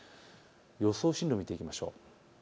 予想進路を見てみましょう。